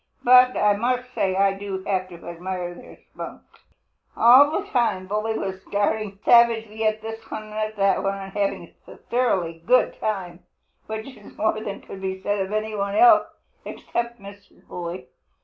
But I must say I do have to admire their spunk." All the time Bully was darting savagely at this one and that one and having a thoroughly good time, which is more than could be said of any one else, except Mrs. Bully.